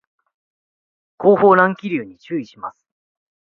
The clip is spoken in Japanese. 後方乱気流に注意します